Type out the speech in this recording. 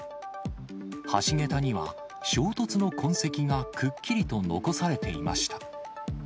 橋桁には衝突の痕跡がくっきりと残されていました。